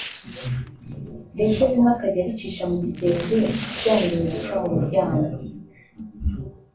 ndetse bimwe akajya abicisha mu gisenge byananiwe guca mu muryango